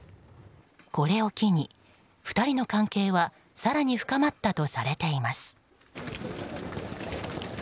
これを機に２人の関係は更に深まったとされています。